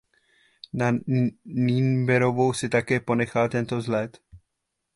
Na Númenoru si také ponechal tento vzhled.